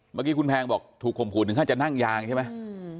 เมื่อกี้คุณแพงบอกถูกข่มขู่ถึงขั้นจะนั่งยางใช่ไหม